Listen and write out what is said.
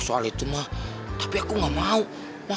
sampai jumpa lagi